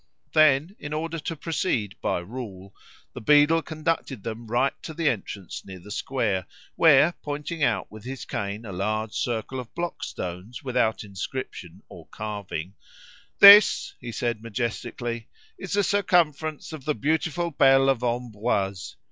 Then, in order to proceed "by rule," the beadle conducted them right to the entrance near the square, where, pointing out with his cane a large circle of block stones without inscription or carving "This," he said majestically, "is the circumference of the beautiful bell of Ambroise.